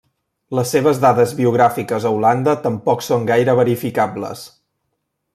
Les seves dades biogràfiques a Holanda tampoc són gaire verificables.